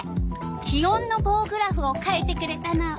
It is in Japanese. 気温のぼうグラフを書いてくれたの。